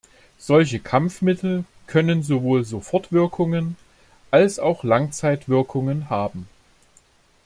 Solche Kampfmittel können sowohl Sofortwirkungen als auch Langzeitwirkungen haben.